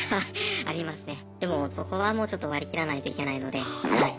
でもそこはもうちょっと割り切らないといけないのではい。